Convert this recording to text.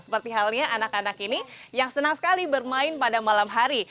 seperti halnya anak anak ini yang senang sekali bermain pada malam hari